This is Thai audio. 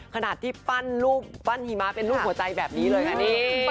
ขนาดที่ปั้นรูปปั้นหิมะเป็นรูปหัวใจแบบนี้เลยค่ะนี่